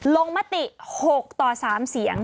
ลงมติ๖ต่อ๓เสียง